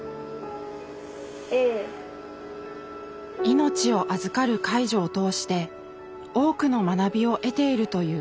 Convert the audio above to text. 命を預かる介助を通して多くの学びを得ているという石田さん。